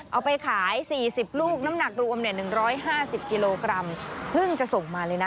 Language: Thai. เอาไปขาย๔๐ลูกน้ำหนักรวม๑๕๐กิโลกรัมเพิ่งจะส่งมาเลยนะ